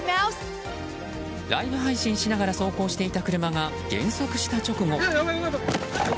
ライブ配信しながら走行していた車が減速した直後。